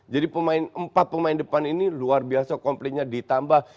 jadi empat pemain depan ini luar biasa komplainya ditambah